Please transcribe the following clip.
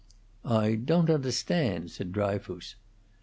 "I don't understand," said Dryfoos.